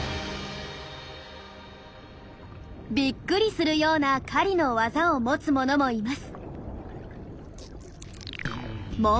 びっくりするような狩りの技を持つものもいます。